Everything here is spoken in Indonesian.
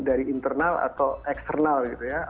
dari internal atau eksternal